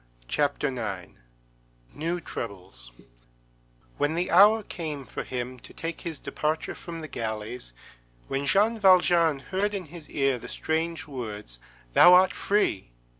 CHAPTER IX—NEW TROUBLES When the hour came for him to take his departure from the galleys, when Jean Valjean heard in his ear the strange words, _Thou art free!